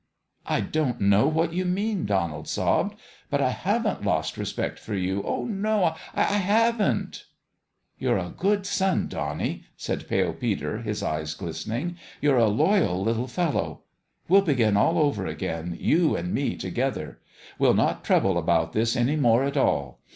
" I don't know what you mean," Donald sobbed ;" but I haven't lost respect for you oh, no I haven't !"" You're a good son, Donnie," said Pale Peter, his eyes glistening. " You're a loyal little fellow. We'll begin all over again you and me to gether. We'll not trouble about this any more at all.